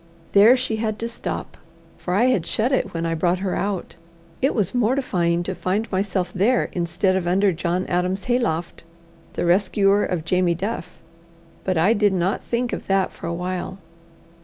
There she had to stop, for I had shut it when I brought her out. It was mortifying to find myself there instead of under John Adam's hayloft, the rescuer of Jamie Duff. But I did not think of that for a while.